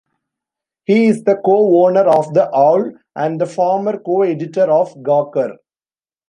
He is the co-owner of The Awl, and the former co-editor of Gawker.